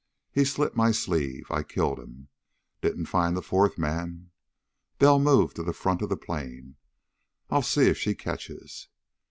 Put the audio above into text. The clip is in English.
He slit my sleeve. I killed him. Didn't find the fourth man." Bell moved to the front of the plane. "I'll see if she catches."